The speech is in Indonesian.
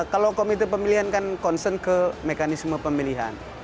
kalau komite pemilihan kan concern ke mekanisme pemilihan